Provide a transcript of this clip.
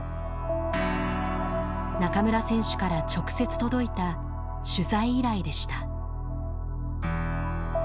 中村選手から直接届いた取材依頼でした。